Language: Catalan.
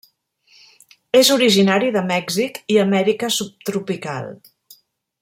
És originari de Mèxic i Amèrica subtropical.